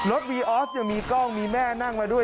วีออสยังมีกล้องมีแม่นั่งมาด้วย